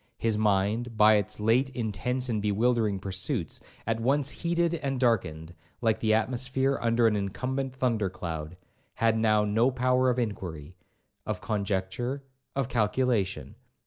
His mind, by its late intense and bewildering pursuits, at once heated and darkened, like the atmosphere under an incumbent thunder cloud, had now no power of inquiry, of conjecture, or of calculation.